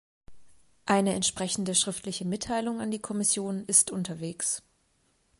Eine entsprechende schriftliche Mitteilung an die Kommission ist unterwegs.